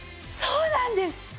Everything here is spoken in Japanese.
そうなんです。